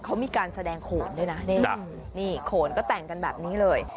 เขามีการแสดงโขนด้วยนะนี่โขนก็แต่งกันแบบนี้เลย